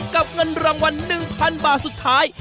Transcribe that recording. เงินรางวัล๑๐๐๐บาทสุดท้าย